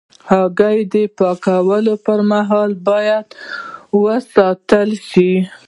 هګۍ د پاکوالي پر مهال باید وساتل شي.